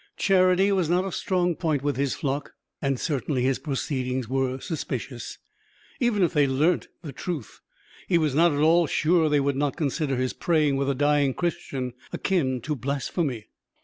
Charity was not a strong point with his flock, and certainly his proceedings were suspicious. Even if they learnt the truth, he was not at all sure they would not consider his praying with a dying Christian akin to blasphemy.